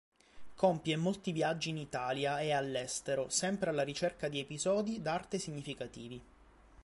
Compie molti viaggi in Italia e all'estero sempre alla ricerca di episodi d'arte significativi.